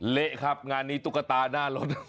เละครับงานนี้ตุ๊กตาหน้ารถ